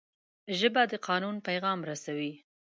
ژبه د قانون پیغام رسوي